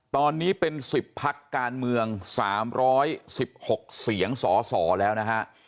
ตอนนี้เป็น๑๐พักการเมือง๓๑๖เสียงสสแล้วนะฮะ